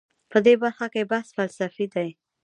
په دې برخه کې بحث فلسفي دی.